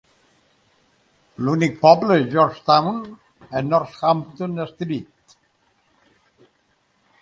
L'únic poble és Georgetown, a Northampton Street.